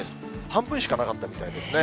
半分しかなかったみたいですね。